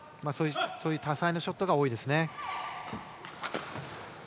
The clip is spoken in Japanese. そういう多彩なショットが多いです。